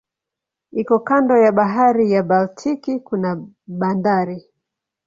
Iko kando ya bahari ya Baltiki kuna bandari.